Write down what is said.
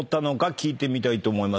聞いてみたいと思います。